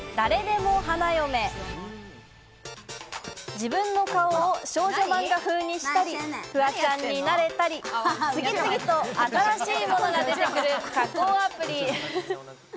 自分の顔を少女漫画風にしたり、フワちゃんになれたり、次々と新しいものが出てくる加工アプリ。